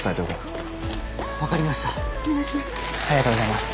ありがとうございます。